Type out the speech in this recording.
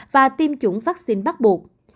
và tiêm chủng vaccine bắt buộc